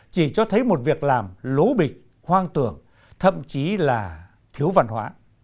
chỉ cho thấy một việc làm lố bịch hoang tưởng thậm chí là thiếu văn hóa